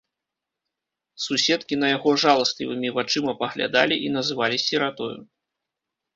Суседкі на яго жаласлівымі вачыма паглядалі і называлі сіратою.